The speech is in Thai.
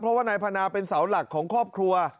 เพราะว่านายพนาเป็นเสาหลักของครอบครัว